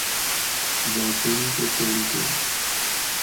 زیتون کے تیل کے